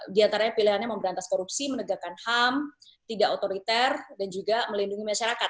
di antaranya pilihannya memberantas korupsi menegakkan ham tidak otoriter dan juga melindungi masyarakat